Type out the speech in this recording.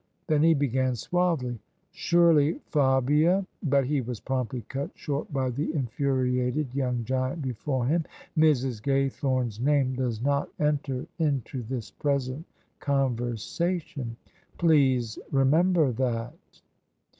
Then he began suavely: "Surely Fabia " But he was promptly cut short by the infuriated young giant before him. " Mrs. Gaythorne's name does not enter into this present conversation: please remember that."